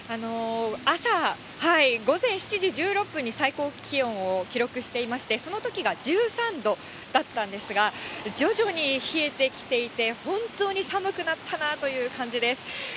朝、午前７時１６分に最高気温を記録していまして、そのときが１３度だったんですが、徐々に冷えてきていて、本当に寒くなったなぁという感じです。